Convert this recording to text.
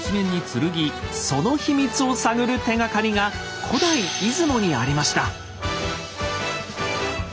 その秘密を探る手がかりが古代出雲にありました。